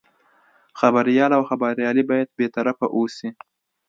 خبریال او خبریالي باید بې طرفه اوسي.